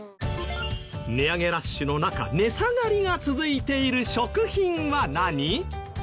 値上げラッシュの中値下がりが続いている食品は何？